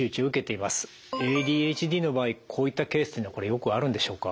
ＡＤＨＤの場合こういったケースはよくあるんでしょうか？